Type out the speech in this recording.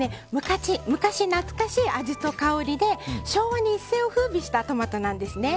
昔懐かしい味と香りで昭和に一世を風靡したトマトなんですね。